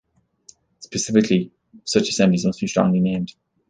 Specifically, such assemblies must be strongly named.